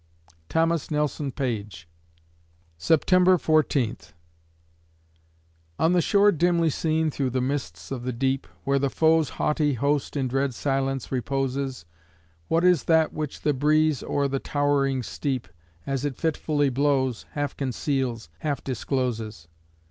THOMAS NELSON PAGE September Fourteenth On the shore dimly seen through the mists of the deep, Where the foe's haughty host in dread silence reposes, What is that which the breeze, o'er the towering steep, As it fitfully blows, half conceals, half discloses?